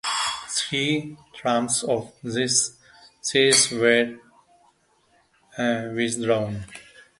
Three trams of this series were withdrawn.